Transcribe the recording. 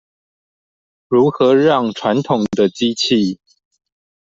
如何讓傳統的機器